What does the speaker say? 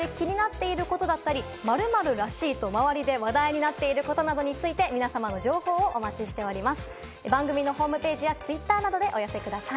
皆さんの身の周りで気になってることだったり、「〇〇らしい」と話題なっていることなどについて、皆様の情報をお待ちしております。